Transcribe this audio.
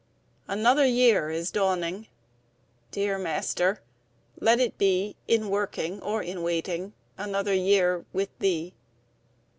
Another year is dawning! Dear Master, let it be In working or in waiting, Another year with Thee.